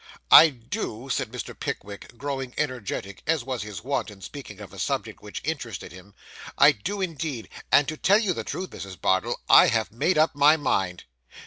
'I do,' said Mr. Pickwick, growing energetic, as was his wont in speaking of a subject which interested him 'I do, indeed; and to tell you the truth, Mrs. Bardell, I have made up my mind.